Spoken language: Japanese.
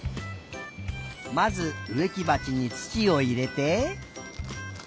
まずうえきばちにつちをいれて。